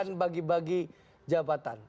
itu bagi bagi jabatan